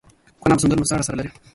کونه او څنگل نو څه اړه سره لري.